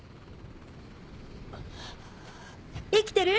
生きてる？